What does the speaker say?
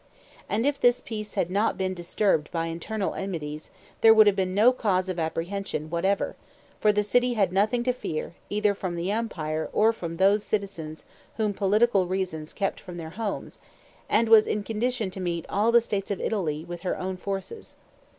And if this peace had not been disturbed by internal enmities there would have been no cause of apprehension whatever, for the city had nothing to fear either from the empire or from those citizens whom political reasons kept from their homes, and was in condition to meet all the states of Italy with her own forces.